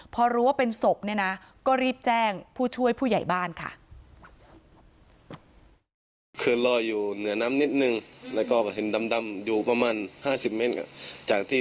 พอรู้ว่าเป็นศพเนี่ยนะก็รีบแจ้งผู้ช่วยผู้ใหญ่บ้านค่ะ